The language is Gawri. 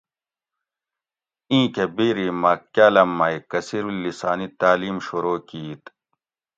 اِیں کۤہ بیری مۤہ کاۤلم مئ کثیرالسانی تعلیم شورو کِیت